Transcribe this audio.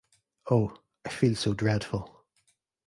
Oh, I feel so dreadful!